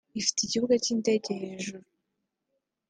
Ifite ikibuga cy’indege hejuru